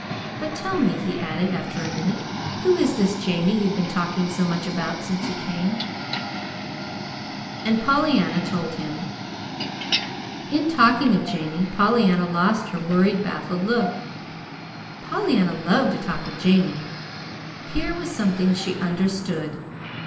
But, tell me," he added, after a minute, "who is this Jamie you've been talking so much about since you came?" And Pollyanna told him. In talking of Jamie, Pollyanna lost her worried, baffled look. Pollyanna loved to talk of Jamie. Here was something she understood.